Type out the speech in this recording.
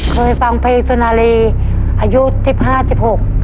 เคยฟังเพลงสุนารีอายุสิบห้าสิบหก